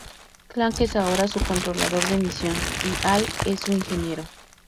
Clank es ahora su controlador de misión y Al es su ingeniero.